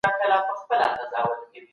د صفويانو پوځ په کندهار کي څه کول؟